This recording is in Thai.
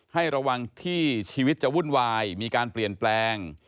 ให้ระวังที่ชีวิตจะวุ่นวายมีการเปลี่ยนแปลง